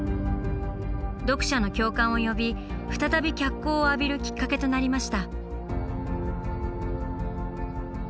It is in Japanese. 読者の共感を呼び再び脚光を浴びるきっかけとなりました。